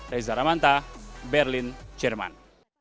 dari zahra manta berlin jerman